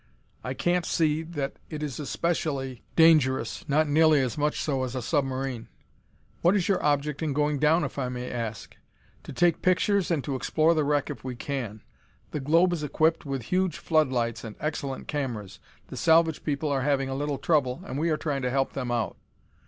I can't see that it is especially dangerous; not nearly as much so as a submarine." "What is your object in going down, if I may ask?" "To take pictures and to explore the wreck if we can. The globe is equipped with huge floodlights and excellent cameras. The salvage people are having a little trouble and we are trying to help them out."